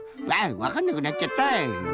わかんなくなっちゃったい！